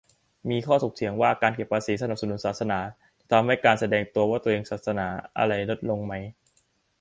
มีข้อถกเถียงว่า การเก็บภาษีสนับสนุนศาสนา จะทำให้การแสดงตัวว่าตัวเองศาสนาอะไรลดลงไหม